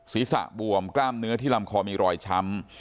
ศีรษะบวมกล้ามเนื้อที่ลำคอมีรอยช้ำ